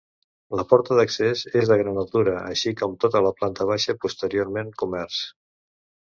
La porta d'accés és de gran altura així com tota la planta baixa, posteriorment comerç.